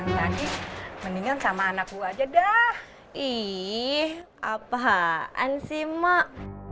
iya iiih apaan sih mak